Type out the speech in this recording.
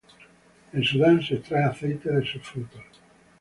En Sudán se extrae aceite de sus frutos.